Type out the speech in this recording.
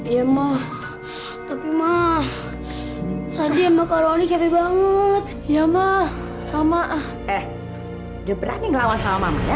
ya emang tapi mah tadi emang karoani capek banget ya mah sama ah eh udah berani ngawas sama mamanya